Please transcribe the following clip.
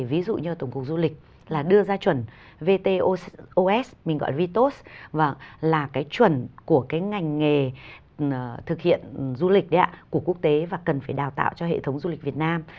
ví dụ như tổng cục du lịch là đưa ra chuẩn wtos mình gọi ritos là cái chuẩn của cái ngành nghề thực hiện du lịch của quốc tế và cần phải đào tạo cho hệ thống du lịch việt nam